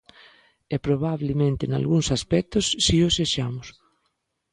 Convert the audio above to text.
E probablemente nalgúns aspectos si o sexamos.